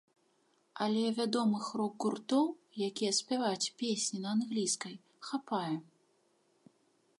Але вядомых рок-гуртоў, якія спяваюць песні на англійскай, хапае.